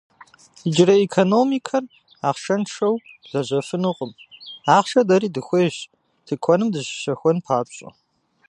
Иужьрей экономикэр ахъшэншэу лэжьэфынукъым, ахъшэ дэри дыхуейщ, тыкуэным дыщыщэхуэн папщӏэ.